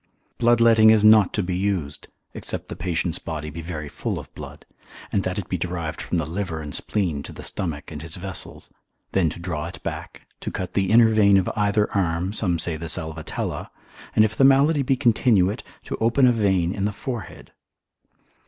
Bloodletting is not to be used, except the patient's body be very full of blood, and that it be derived from the liver and spleen to the stomach and his vessels, then to draw it back, to cut the inner vein of either arm, some say the salvatella, and if the malady be continuate, to open a vein in the forehead.